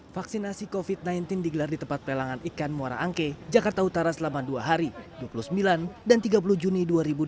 vaksinasi covid sembilan belas digelar di tempat pelelangan ikan muara angke jakarta utara selama dua hari dua puluh sembilan dan tiga puluh juni dua ribu dua puluh